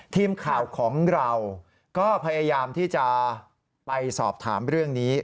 ทีมข่าวของเราก็พยายามที่จะไปสอบถามเรื่องนี้